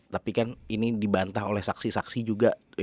tapi kan ini dibantah oleh saksi saksi juga